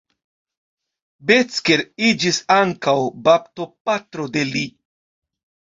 Becker iĝis ankaŭ baptopatro de li.